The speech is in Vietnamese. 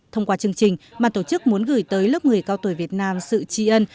thông qua chương trình ban tổ chức muốn gửi tới lớp người cao tuổi việt nam sự tri ân